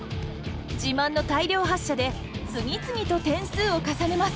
自慢の大量発射で次々と点数を重ねます。